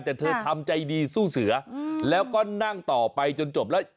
แต่เธอทำใจดีสู้เสือแล้วก็นั่งต่อไปจนจบแล้ว